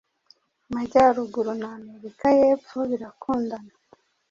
Amajyaruguru, na Amerika yEpfo birakundana